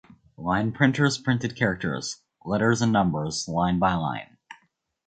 Line printers printed characters, letters and numbers line by line.